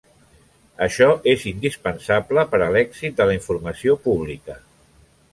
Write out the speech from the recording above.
Això és indispensable per a l'èxit de la informació pública.